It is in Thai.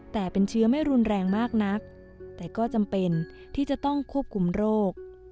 แต่เป็นเชื้อไม่รุนแรงมากนักแต่ก็จำเป็นที่จะต้องควบคุมโรค